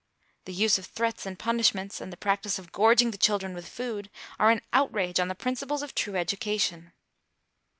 The use of threats and punishments, and the practice of gorging the children with food, are an outrage on the principles of true education.